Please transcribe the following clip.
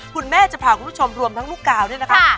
คุณแม่จะพาคุณผู้ชมรวมทั้งลูกกาวเนี่ยนะคะ